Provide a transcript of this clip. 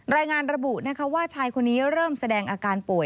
รายงานระบุว่าชายคนนี้เริ่มแสดงอาการป่วย